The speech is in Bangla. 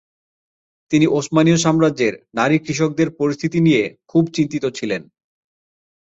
তিনি উসমানীয় সাম্রাজ্যের নারী কৃষকদের পরিস্থিতি নিয়ে খুব চিন্তিত ছিলেন।